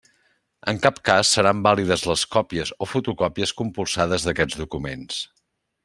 En cap cas seran vàlides les còpies o fotocòpies compulsades d'aquests documents.